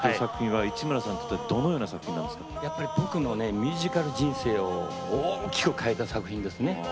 市村さんにとって僕のミュージカル人生を大きく変えた作品ですね。